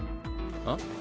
あっ？